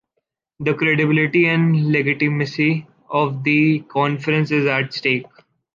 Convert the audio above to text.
The credibility and legitimacy of the Conference is at stake.